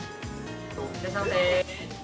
いらっしゃいませ。